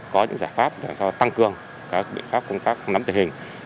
có những giải pháp tăng cường các biện pháp công tác nắm tình hình